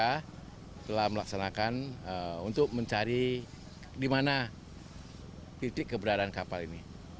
kita telah melaksanakan untuk mencari di mana titik keberadaan kapal ini